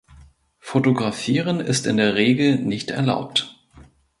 Fotografieren ist in der Regel nicht erlaubt.